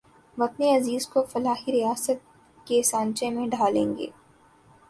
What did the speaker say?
وطن عزیز کو فلاحی ریاست کے سانچے میں ڈھالیں گے